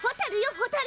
ホタル？